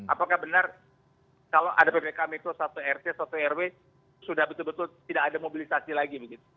apakah benar kalau ada ppkm mikro satu rt satu rw sudah betul betul tidak ada mobilisasi lagi begitu